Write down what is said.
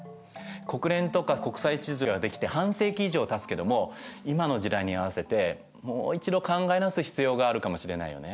国連とか国際秩序ができて半世紀以上たつけども今の時代に合わせてもう一度考え直す必要があるかもしれないよね。